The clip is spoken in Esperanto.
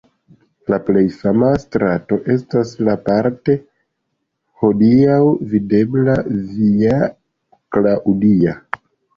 La plej fama strato estas la parte hodiaŭ videbla Via Claudia.